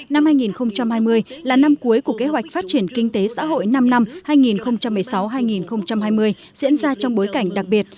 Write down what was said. năm hai nghìn hai mươi là năm cuối của kế hoạch phát triển kinh tế xã hội năm năm hai nghìn một mươi sáu hai nghìn hai mươi diễn ra trong bối cảnh đặc biệt